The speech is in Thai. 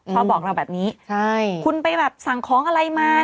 พอบอกเราแบบนี้ใช่คุณไปแบบสั่งของอะไรมา